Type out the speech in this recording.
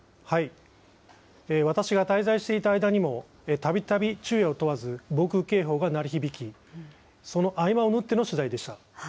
私が滞在していた間にも、たびたび昼夜を問わず防空警報が鳴り響き、その合間を縫っての取材でした。